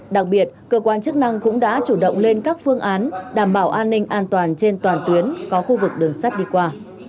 đặc biệt cơ quan chức năng cũng đã chủ động lên các phương án đảm bảo an ninh an toàn trên toàn tuyến có khu vực đường sắt đi qua